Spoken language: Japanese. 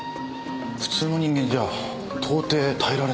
普通の人間じゃあ到底耐えられない。